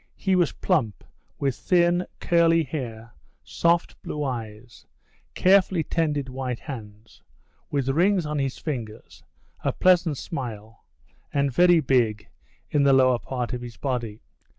He was plump, with thin, curly hair, soft blue eyes, carefully tended white hands, with rings on the fingers, a pleasant smile, and very big in the lower part of his body.